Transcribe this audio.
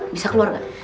bisa keluar gak